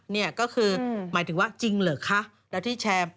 เนี่ยก็คือหมายถึงว่าจริงหรือคะ